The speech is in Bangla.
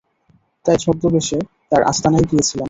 তাই ছদ্মবেশে তার আস্তানায় গিয়েছিলাম।